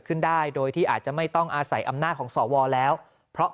ขึ้นได้โดยที่อาจจะไม่ต้องอาศัยอำนาจของสวแล้วเพราะ